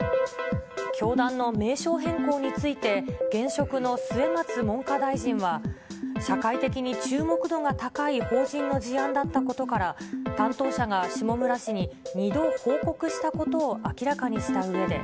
教団の名称変更について、現職の末松文科大臣は、社会的に注目度が高い法人の事案だったことから、担当者が下村氏に２度報告したことを明らかにしたうえで。